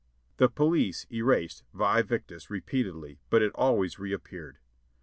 The police erased "Vae Victis" repeatedly, but it always reap peared.